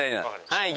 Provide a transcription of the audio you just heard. はい。